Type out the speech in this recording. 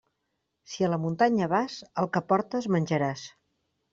Si a la muntanya vas, el que portes menjaràs.